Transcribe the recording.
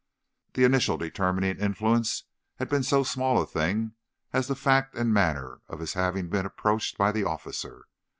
The initial determining influence had been so small a thing as the fact and manner of his having been approached by the officer.